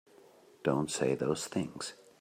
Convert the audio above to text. Don't say those things!